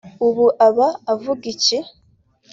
ubu aba avuga iki